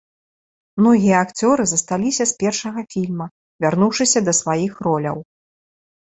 Многія акцёры засталіся з першага фільма, вярнуўшыся да сваіх роляў.